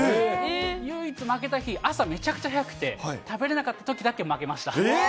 唯一、負けた日、朝、めちゃくちゃ早くて、食べれなかったときだえー？